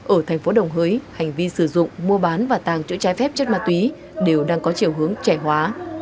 ở thành phố đồng hới hành vi sử dụng mua bán và tàng trữ trái phép chất ma túy đều đang có chiều hướng trẻ hóa